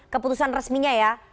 keputusan resminya ya